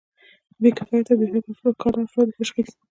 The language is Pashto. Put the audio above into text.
د بې کفایته او بیکاره افرادو تشخیص.